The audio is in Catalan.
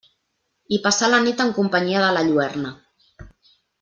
I passà la nit en companyia de la lluerna.